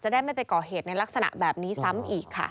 ได้ไม่ไปก่อเหตุในลักษณะแบบนี้ซ้ำอีกค่ะ